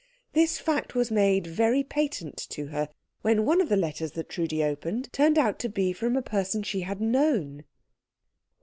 This fact was made very patent to her when one of the letters that Trudi opened turned out to be from a person she had known.